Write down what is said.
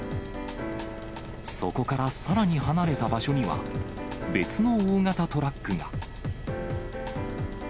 そこからさらに離れた場所には、別の大型トラックが。